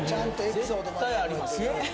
絶対ありますね